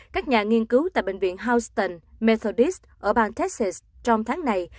các nhà nghiên cứu tại bệnh viện houston methodist ở bang texas trong tháng này